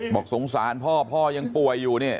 บอกสงสารพ่อยังกรรมป่วยอยู่นี่